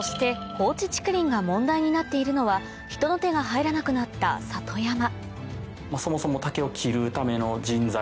放置竹林が問題になっているのは人の手が入らなくなった里山そもそも。